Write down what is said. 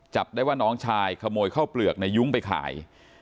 จับได้ว่าน้องชายขโมยข้าวเปลือกในยุ้งไปขาย